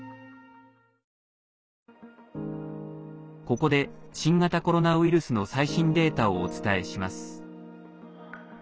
ここで新型コロナウイルスの最新データをお伝えします。